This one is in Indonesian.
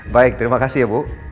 baik terima kasih ya bu